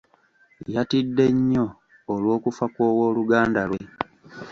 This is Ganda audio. Yatidde nnyo olw'okufa kw'owooluganda lwe.